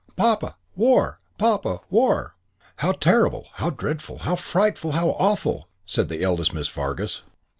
Papa! War! Papa! War!" "How terrible, how dreadful, how frightful, how awful," said the eldest Miss Fargus.